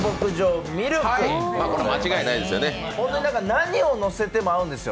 何をのせても合うんですよ。